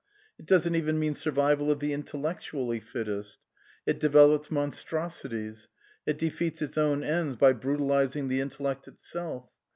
It doesn't even mean survival of the intellectually fittest. It develops monstro sities. It defeats its own ends by brutalising the intellect itself.